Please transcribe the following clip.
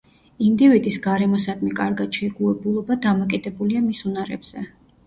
ინდივიდის გარემოსადმი კარგად შეგუებულობა დამოკიდებულია მის უნარებზე.